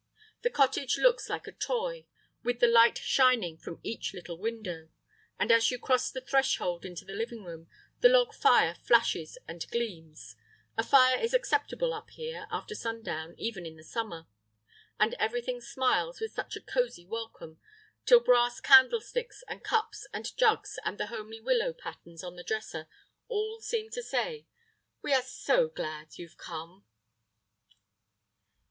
The cottage looks like a toy, with the light shining from each little window. And as you cross the threshold into the living room, the log fire flashes and gleams (a fire is acceptable up here after sundown, even in the summer), and everything smiles with such a cosy welcome, till brass candlesticks and cups and jugs and the homely willow patterns on the dresser, all seem to say, "We are so glad you've come."